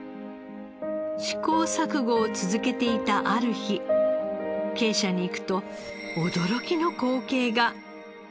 試行錯誤を続けていたある日鶏舎に行くと驚きの光景が。